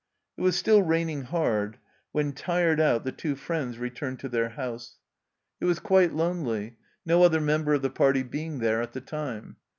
It was still raining hard when, tired out, the two friends returned to their house. It was quite ON THE ROAD 83 lonely, no other member of the party being there at the time.